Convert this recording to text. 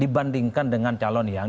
dibandingkan dengan calon yang